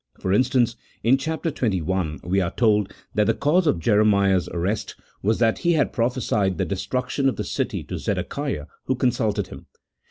For instance, in chap. xxi. we are told that the cause of Jeremiah's arrest was that he had prophesied the destruction of the city to Zedekiah who consulted him.